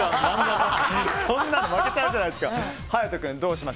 そんなの負けちゃうじゃないですか。